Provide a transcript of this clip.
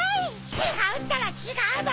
ちがうったらちがうの！